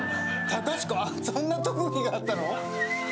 隆子、そんな特技があったの？